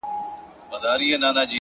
زما و فكر ته هـا سـتا د كور كوڅـه راځي؛